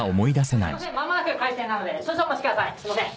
すいません。